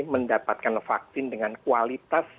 mendapatkan vaksin dengan kualitas